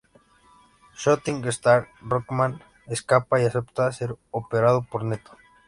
Shooting Star Rockman escapa, y acepta ser operado por Netto.